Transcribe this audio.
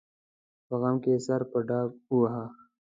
په غم کې یې سر په ډاګ وواهه.